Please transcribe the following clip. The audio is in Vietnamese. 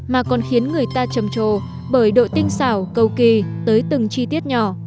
mà còn khiến người ta chầm trồ bởi đội tinh xảo cầu kỳ tới từng chi tiết nhỏ